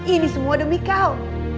ini semua demi kau